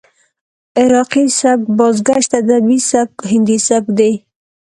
عراقي سبک، بازګشت ادبي سبک، هندي سبک دى.